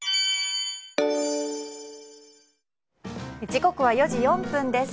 時刻は４時４分です。